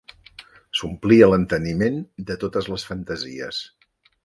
S'omplia l'enteniment de totes les fantasies